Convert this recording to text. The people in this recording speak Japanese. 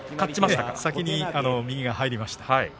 先に右が入りました。